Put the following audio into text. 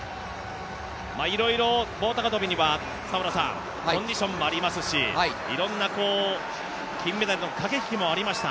いろいろ、棒高跳にはコンディションもありますし、いろんな金メダルの駆け引きもありました。